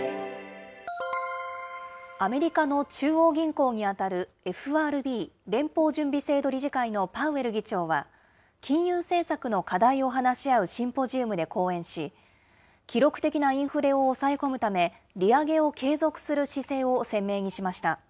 アメリカの中央銀行に当たるＦＲＢ・連邦準備制度理事会のパウエル議長は、金融政策の課題を話し合うシンポジウムで講演し、記録的なインフレを抑え込むため、利上げを継続する姿勢を鮮明にしました。